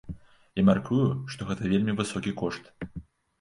Я мяркую, што гэта вельмі высокі кошт.